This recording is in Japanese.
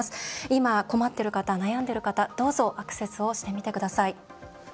今、困っている方悩んでいる方どうぞアクセスをしてみてください。